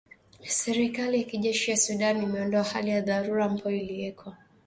Serikali ya kijeshi ya Sudan imeondoa hali ya dharura ambayo iliwekwa